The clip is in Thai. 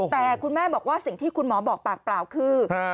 แต่คุณแม่บอกว่าสิ่งที่คุณหมอบอกปากเปล่าคือ